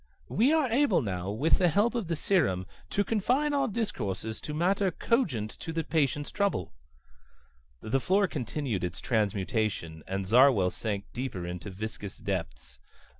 We are able now, with the help of the serum, to confine our discourses to matters cogent to the patient's trouble." The floor continued its transmutation, and Zarwell sank deep into viscous depths.